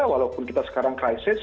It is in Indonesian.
walaupun kita sekarang krisis